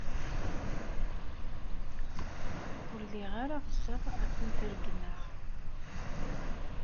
Ur lliɣ ara ɣseɣ ad kent-regmeɣ.